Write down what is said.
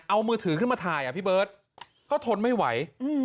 เอามือถือขึ้นมาถ่ายอ่ะพี่เบิร์ตก็ทนไม่ไหว